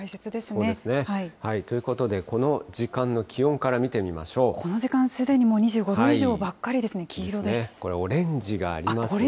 そうですね。ということで、この時間の気温かこの時間、すでにもう２５度これ、オレンジがありますが。